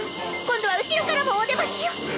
今度は後ろからもおでましよ！